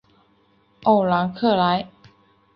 奥兰克莱。